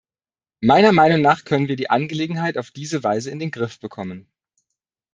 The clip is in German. Meiner Meinung nach können wir die Angelegenheit auf diese Weise in den Griff bekommen.